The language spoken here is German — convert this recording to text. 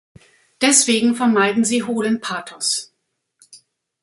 Deswegen vermeiden sie hohlen Pathos.